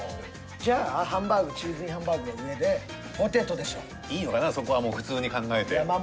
じゃあハンバーグチーズＩＮハンバーグが上でいいのかなそこはもう普通に考えて。